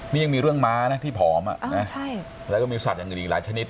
นี่ยังมีเรื่องม้านะที่ผอมแล้วก็มีสัตว์อย่างอื่นอีกหลายชนิด